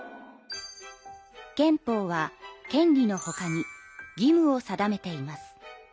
憲法は権利のほかに義務を定めています。